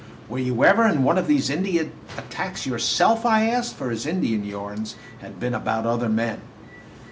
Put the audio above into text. "Were you ever in one of these Indian attacks yourself?" I asked, for his Indian yarns had been about other men.